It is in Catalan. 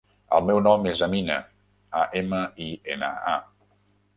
El meu nom és Amina: a, ema, i, ena, a.